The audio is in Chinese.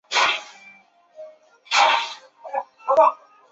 该书的法语原文在十九世纪时撰写。